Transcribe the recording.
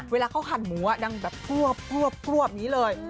เวลาเขาขันหมูอ่ะดังแบบปลวบนี้เลย